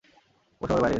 ও শহরের বাইরে গেছে।